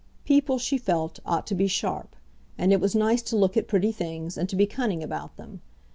People, she felt, ought to be sharp; and it was nice to look at pretty things, and to be cunning about them.